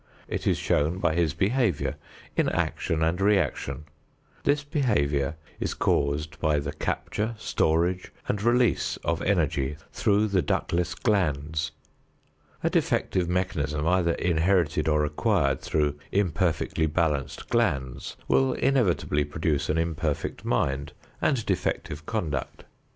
It is shown by his behavior in action and reaction. This behavior is caused by the capture, storage and release of energy through the ductless glands. A defective mechanism either inherited or acquired through imperfectly balanced glands will inevitably produce an imperfect mind and defective conduct.